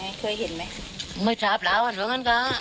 ไม่เจอมาหรอกแล้วเค้ากันกะ